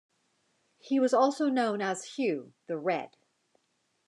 He was also known as Hugh the Red.